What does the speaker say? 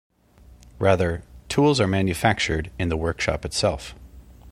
Rather, tools are manufactured in the workshop itself.